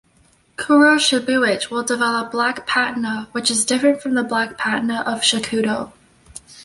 Kuro-Shibuich will develop black patina which is different from the black patina of Shakudo.